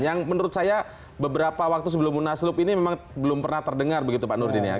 yang menurut saya beberapa waktu sebelum munaslup ini memang belum pernah terdengar begitu pak nurdin ya